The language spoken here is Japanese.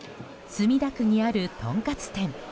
墨田区にある、とんかつ店。